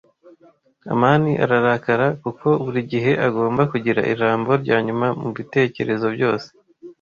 Amani ararakara kuko buri gihe agomba kugira ijambo ryanyuma mubitekerezo byose.